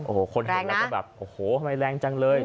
โอ้โหคนเห็นแล้วก็แบบโอ้โหทำไมแรงจังเลย